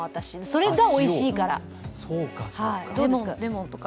それが、おいしいから。